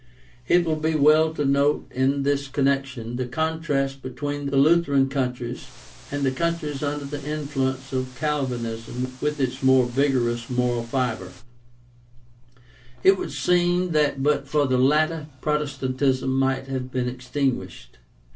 It will be well to notice in this connection the contrast between the Lutheran countries and the countries under the influence of Calvinism with its more vigorous moral fiber. It would seem that but for the latter Protestantism might have been extingu'shed.